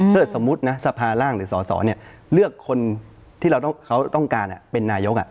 ถ้าสมมุตินะสภาร่างหรือสสเลือกคนที่เราเขาต้องการเป็นนายก